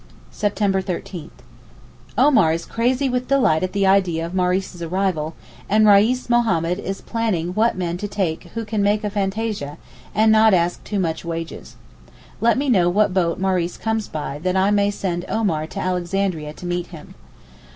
September 13.—Omar is crazy with delight at the idea of Maurice's arrival, and Reis Mohammed is planning what men to take who can make fantasia, and not ask too much wages. Let me know what boat Maurice comes by that I may send Omar to Alexandria to meet him.